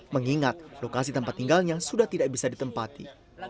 mengingat lokasi tempat tinggalnya sudah tidak bisa ditempati